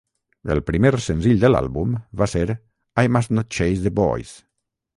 El primer senzill de l'àlbum va ser "I Must Not Chase the Boys".